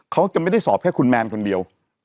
เขาจะไม่ได้สอบแค่คุณแมนคนเดียว